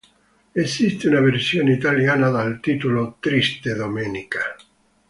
Esiste una versione italiana dal titolo "Triste domenica".